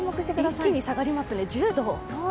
一気に下がりますね、１０度。